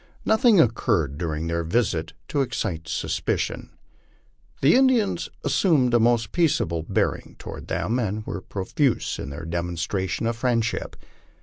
Nothing occurred during their visit to excite suspicion. The Indians assumed a most peaceable bearing toward them, and were profuse in their demonstrations of friendship.